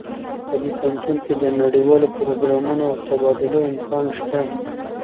په دې پوهنتون کې د نړیوالو پروګرامونو او تبادلو امکان شته